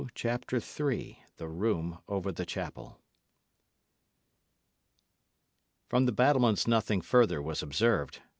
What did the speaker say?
CHAPTER III THE ROOM OVER THE CHAPEL From the battlements nothing further was observed.